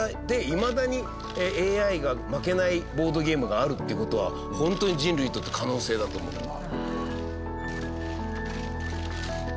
でいまだにＡＩが負けないボードゲームがあるっていう事は本当に人類にとって可能性だと思う。